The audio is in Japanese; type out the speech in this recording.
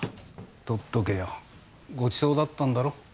取っとけよごちそうだったんだろ？